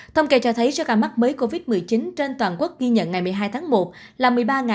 thông kê cho thấy số ca mắc mới covid một mươi chín trên toàn quốc ghi nhận ngày một mươi hai tháng một là một mươi ba hai trăm bốn mươi bốn